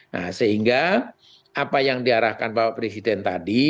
nah sehingga apa yang diarahkan bapak presiden tadi